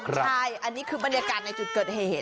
ใช่อันนี้คือบรรยากาศในจุดเกิดเหตุ